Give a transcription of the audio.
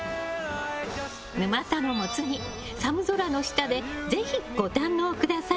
沼田のモツ煮寒空の下でぜひご堪能ください。